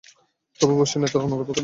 তবে অবশ্যই নেতার অনুগত থাকব।